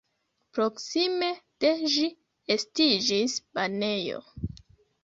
Proksime de ĝi estiĝis banejo.